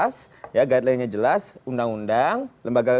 oke oke jadi guideline nya jelas ya guideline nya jelas undang undang lembaga kesehatan